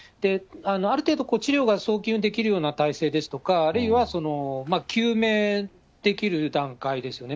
ある程度、治療が早急にできるような体制ですとか、あるいは救命できる段階ですよね。